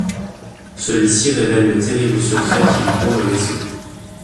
Celui-ci révèle le terrible secret qui entoure le vaisseau.